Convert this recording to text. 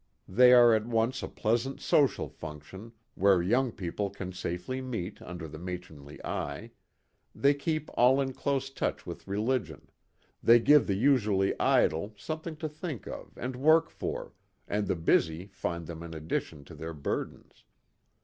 They are at once a pleasant social function where young people can safely meet under the matronly eye; they keep all in close touch with religion; they give the usually idle something to think of and work for, and the busy find them an addition to their burdens.